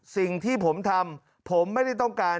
สิ่งที่ผมทำผมไม่ได้ต้องการ